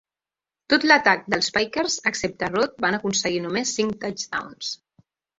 Tot l'atac dels Packers excepte Rote van aconseguir només cinc touchdowns.